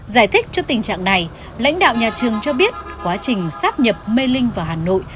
giải thích cho tình trạng này lãnh đạo nhà trường cho biết quá trình sáp nhập mê linh vào hà nội